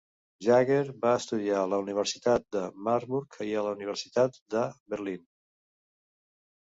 Jaeger va estudiar a la Universitat de Marburg i a la Universitat de Berlín.